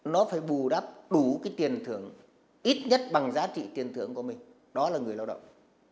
nó phải bù đắp đủ cái tiền thưởng ít nhất bằng giá trị tiền thưởng của mình đó là người lao động